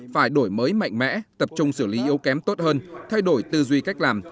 phải đổi mới mạnh mẽ tập trung xử lý yếu kém tốt hơn thay đổi tư duy cách làm